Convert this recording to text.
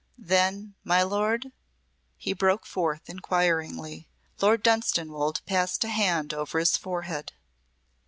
"Then my lord ?" he broke forth inquiringly. Lord Dunstanwolde passed his hand over his forehead.